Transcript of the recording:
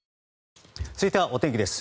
続いてはお天気です。